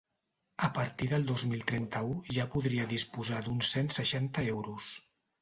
A partir del dos mil trenta-u ja podria disposar d’uns cent seixanta euros.